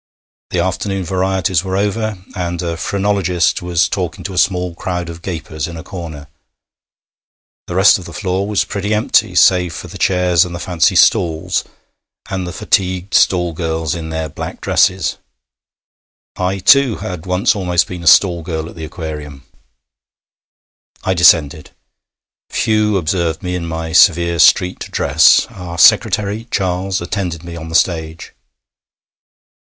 The afternoon varieties were over, and a phrenologist was talking to a small crowd of gapers in a corner. The rest of the floor was pretty empty save for the chairs and the fancy stalls, and the fatigued stall girls in their black dresses. I too, had once almost been a stall girl at the Aquarium! I descended. Few observed me in my severe street dress. Our secretary, Charles, attended me on the stage.